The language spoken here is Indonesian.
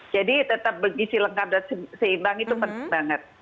jadi tetap gizi lengkap dan seimbang itu penting banget